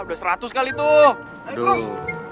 udah seratus kali tuh